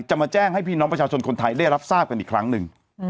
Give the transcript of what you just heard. มาแจ้งให้พี่น้องประชาชนคนไทยได้รับทราบกันอีกครั้งหนึ่ง